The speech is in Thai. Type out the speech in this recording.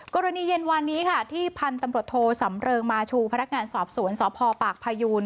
กรณีเย็นวานนี้ค่ะที่พันธุ์ตำรวจโทสำเริงมาชูพนักงานสอบสวนสพปากพายูน